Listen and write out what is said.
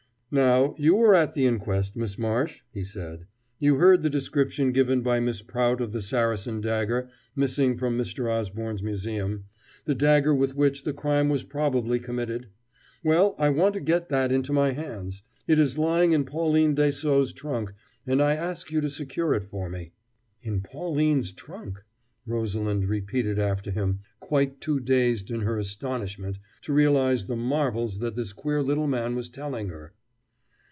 "Now, you were at the inquest, Miss Marsh," he said. "You heard the description given by Miss Prout of the Saracen dagger missing from Mr Osborne's museum the dagger with which the crime was probably committed. Well, I want to get that into my hands. It is lying in Pauline Dessaulx's trunk, and I ask you to secure it for me." "In Pauline's trunk," Rosalind repeated after him, quite too dazed in her astonishment to realize the marvels that this queer little man was telling her.